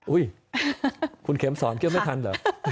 อุ๊ยคุณเข็มสอนเกี่ยวไม่ทันเหรอ